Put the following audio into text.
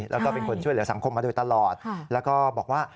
แล้วก็เป็นคนช่วยเหลือสังคมมาโดยตลอดแล้วก็บอกว่า